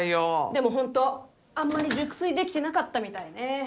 でもホントあんまり熟睡できてなかったみたいね。